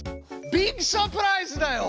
ビッグサプライズだよ！